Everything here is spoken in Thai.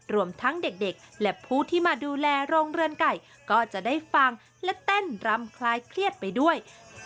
รวมทั้งเด็กและผู้ที่มาดูแลโรงเรือนไก่ก็จะได้ฟังและเต้นรำคลายเครียดไปด้วย